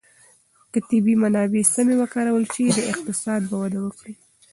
که طبیعي منابع سمې وکارول شي، اقتصاد به وده وکړي.